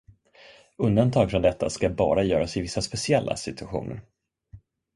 Undantag från detta ska bara göras i vissa speciella situationer.